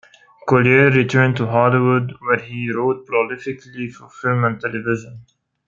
Collier returned to Hollywood, where he wrote prolifically for film and television.